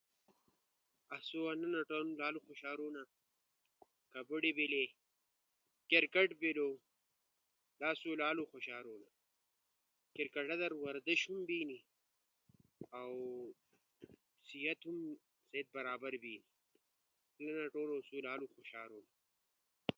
آسو انا نتونو لالو خوشارونا ۔ کبڈی بیلے، کرکٹ بیلو، ہاکی بیلے، والی بال بیلو، فٹبال بیلو، ہور اسئی تمو علاقا در روایتی نٹونو۔ سا اسئی لالو خوشارونا۔ انیس کئی علاوہ لڈو زیاد خوشارونا۔ می تمو سأت ست اکثر لڈو نٹونو تھیما۔ کلہ می موبائل در ہم گیم تھونا۔ می ٹیم ست ہم نٹونو تھیما اؤ اکو ست ہم نتونو تھیما۔ سأت ست یا ٹیم ست کرکٹ لالو مزا تھینا۔ جے آسئی علاقہ یا اسئی دیشا کئی ہور ٹیم در میچ تھونا نو می تمو ٹیم ست نٹونو تی بجونا۔ سا اسئی کرکٹ ہم لالو خوش ہنو۔